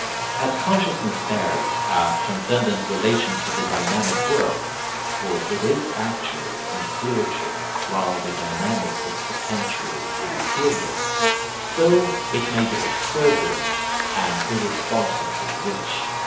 As consciousness bears a transcendent relation to the dynamic world (for it is actual and spiritual, while the dynamic is potential and material) so it may be exuberant and irresponsibly rich.